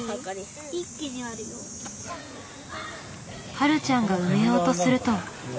はるちゃんが埋めようとすると。